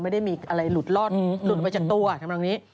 ไม่ได้มีอะไรหลุดรอดหลุดไปจากตัวทำนองนี้